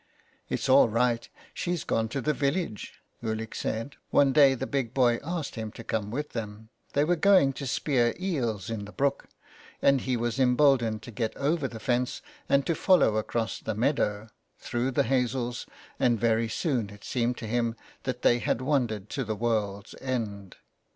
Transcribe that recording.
'' It's all right, she's gone to the village," Ulick said, one day the big boy asked him to come with them, they were going to spear eels in the brook, and he was emboldened to get over the fence, and to follow across the meadow, through the hazels, and very soon it seemed to him that they had wandered to the world's end.